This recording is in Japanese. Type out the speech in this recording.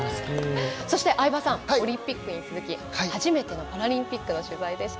相葉さんオリンピックに続き初めてのパラリンピックの取材でしたが。